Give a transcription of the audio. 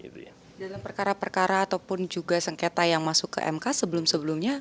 dalam perkara perkara ataupun juga sengketa yang masuk ke mk sebelum sebelumnya